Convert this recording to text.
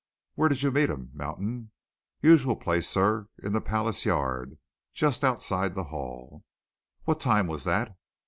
"Where did you meet him, Mountain?" "Usual place, sir in Palace Yard just outside the Hall." "What time was that?"